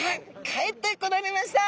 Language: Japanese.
帰ってこられました！